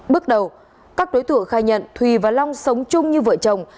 bước đầu các đối tượng khai nhận thùy và long sống chung như vợ chồng